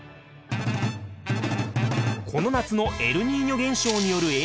この夏のエルニーニョ現象による影響は？